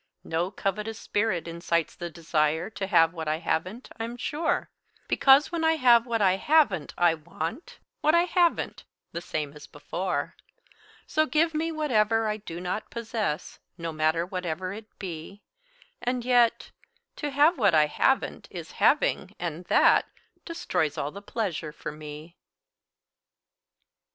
No covetous spirit incites the desire To have what I haven't, I'm sure; Because when I have what I haven't, I want What I haven't, the same as before. So, give me whatever I do not possess, No matter whatever it be; And yet To have what I haven't is having, and that Destroys all the pleasure for me.